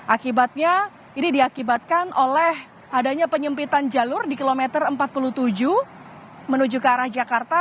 akibatnya ini diakibatkan oleh adanya penyempitan jalur di kilometer empat puluh tujuh menuju ke arah jakarta